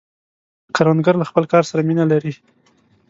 کروندګر له خپل کار سره مینه لري